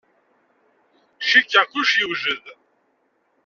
Cikkeɣ kullec yewjed.